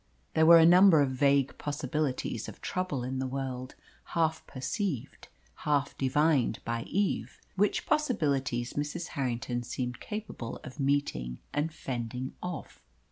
There were a number of vague possibilities of trouble in the world, half perceived, half divined by Eve; which possibilities Mrs. Harrington seemed capable of meeting and fending off.